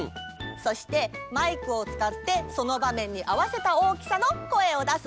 そしてマイクをつかってそのばめんにあわせた大きさの声をだすんだ。